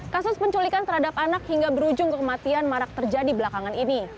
kasus penculikan terhadap anak hingga berujung kematian marak terjadi belakangan ini